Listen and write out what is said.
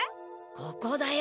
ここだよ！